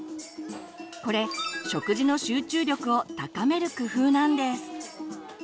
これ食事の集中力を高める工夫なんです。